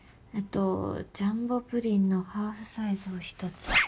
あとジャンボプリンのハーフサイズを１つ。